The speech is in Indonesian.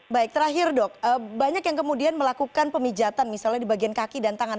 baik terakhir dok banyak yang kemudian melakukan pemijatan misalnya di bagian kaki dan tangan